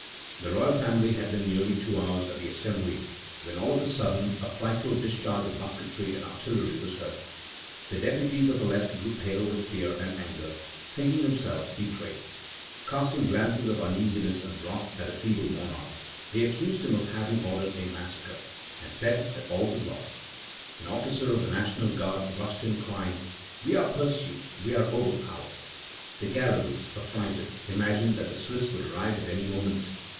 The royal family had been nearly two hours at the Assembly when all of a sudden a frightful discharge of musketry and artillery was heard. The deputies of the left grew pale with fear and anger, thinking themselves betrayed. Casting glances of uneasiness and wrath at the feeble monarch, they accused him of having ordered a massacre, and said that all was lost. An officer of the National Guard rushed in, crying: "We are pursued, we are overpowered!" The galleries, affrighted, imagined that the Swiss would arrive at any moment.